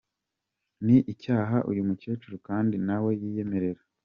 Ni icyaha uyu mukecuru kandi nawe yiyemerera.